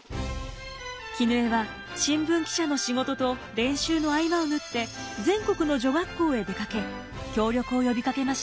絹枝は新聞記者の仕事と練習の合間を縫って全国の女学校へ出かけ協力を呼びかけました。